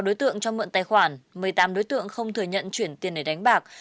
ba mươi sáu đối tượng cho mượn tài khoản một mươi tám đối tượng không thừa nhận chuyển tiền để đánh bạc